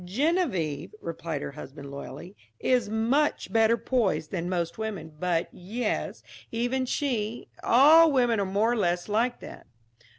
"Geneviève," replied her husband loyally, "is much better poised than most women, but yes, even she all women are more or less like that."